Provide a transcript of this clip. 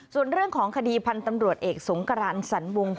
ส่วนเรื่องของคดีพันธ์ตำรวจเอกสงกรานสรรวง